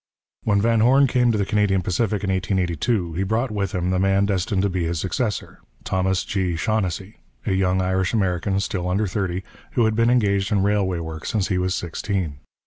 When Van Horne came to the Canadian Pacific in 1882, he brought with him the man destined to be his successor, Thomas G. Shaughnessy, a young Irish American still under thirty, who had been engaged in railway work since he was sixteen.